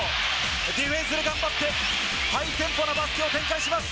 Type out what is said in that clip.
ディフェンス頑張って、ハイテンポのバスケを展開します。